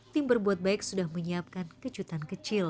tim berbuat baik sudah menyiapkan kejutan kecil